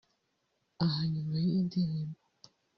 aha nyuma y’iyi ndirimbo